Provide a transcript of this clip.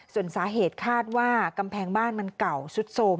ส่วนสาเหตุคาดว่ากำแพงบ้านมันเก่าสุดโทรม